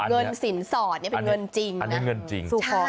เงินสินสอดนี้เป็นเงินจริงสู่ขอกันจริง